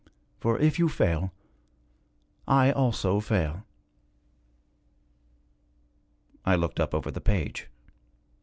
For, if you fail, I also fail.' I looked up over the page.